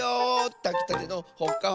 たきたてのほっかほかだよ！